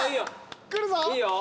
いいよ。